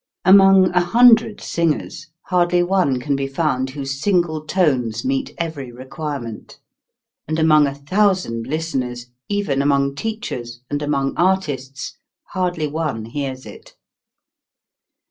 Among a hundred singers hardly one can be found whose single tones meet every re quirement. And among a thousand listen ers, even among teachers, and among artists, hardly one hears it.